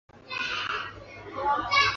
汉属益州弄栋县地。